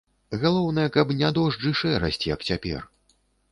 Галоўнае, каб не дождж і шэрасць, як цяпер.